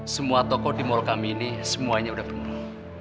semua toko di mall kami ini semuanya udah berumur